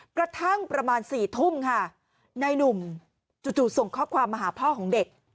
กระทั่งประมาณ๔ทุ่มค่ะนายหนุ่มจู่ส่งข้อความมาหาพ่อของเด็ก